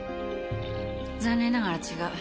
残念ながら違う。